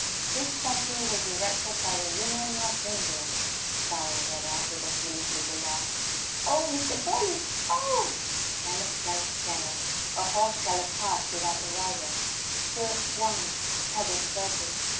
"'This statue was erected by the women of England...'" Clara read out with a foolish little laugh. "Oh, Mr. Bowley! Oh!" Gallop gallop gallop a horse galloped past without a rider. The stirrups swung; the pebbles spurted.